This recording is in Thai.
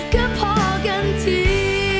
ก็พอกันที